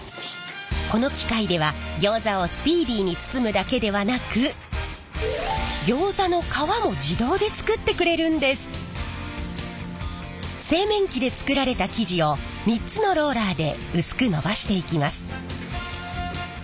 この機械ではギョーザをスピーディーに包むだけではなく製麺機で作られた生地を３つのローラーで薄くのばしていきます。